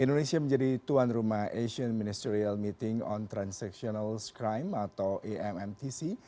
indonesia menjadi tuan rumah asian ministerial meeting on transactional crime atau ammtc